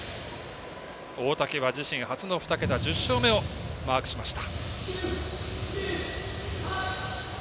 大竹は自身初めての２桁１０勝目をマークしました。